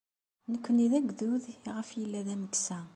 Nekkni d agdud iɣef yella d ameksa.